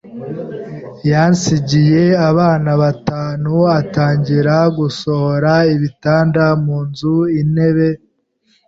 yansigiye abana batanu atangira gusohora ibitanda mu nzu intebe,